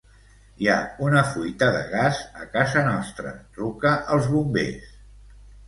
Hi ha una fuita de gas a casa nostra; truca als bombers.